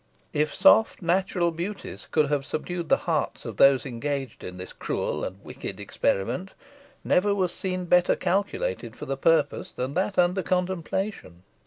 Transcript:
If soft natural beauties could have subdued the hearts of those engaged in this cruel and wicked experiment, never was scene better calculated for the purpose than that under contemplation.